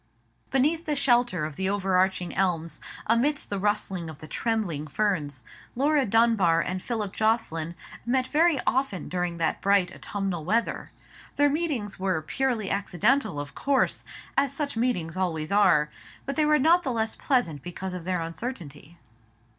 Beneath the shelter of the overarching elms, amidst the rustling of the trembling ferns, Laura Dunbar and Philip Jocelyn met very often during that bright autumnal weather. Their meetings were purely accidental of course, as such meetings always are, but they were not the less pleasant because of their uncertainty.